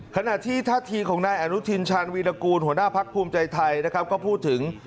ขณะที่ท่าทีของนายอนุทินชาญวีรกูลหัวหน้าพักภูมิใจไทยนะครับก็พูดถึง